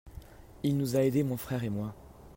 Il nous a aidé mon frère et moi.